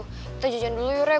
kita jajan dulu yuk rek